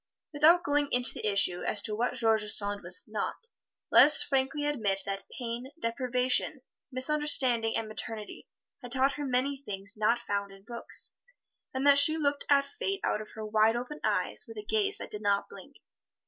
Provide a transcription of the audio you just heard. Without going into the issue as to what George Sand was not, let us frankly admit that pain, deprivation, misunderstanding and maternity had taught her many things not found in books, and that she looked at Fate out of her wide open eyes with a gaze that did not blink.